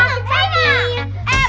enggak enggak enggak